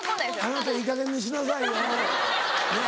「あなたいいかげんにしなさいよねぇ」。